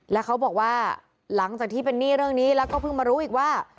แล้วเขาบอกว่าหลังจากที่เป็นหนี้เรื่องนี้แล้วก็เพิ่งมารู้อีกว่า